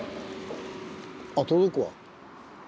あ届くわ。